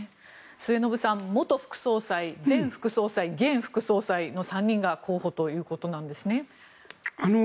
末延さん、元副総裁前副総裁、現副総裁の３人が候補ということなんですね。